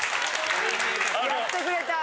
やってくれた！